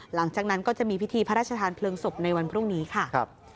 หลังจากนั้นก็จะมีพิธีพระราชทานเพลิงศพในวันพรุ่งนี้ค่ะ